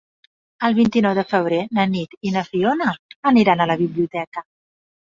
El vint-i-nou de febrer na Nit i na Fiona aniran a la biblioteca.